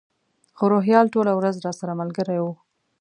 خو روهیال ټوله ورځ راسره ملګری و.